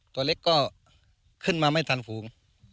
ตัวเล็กก็ขึ้นมาไม่ทันฝูง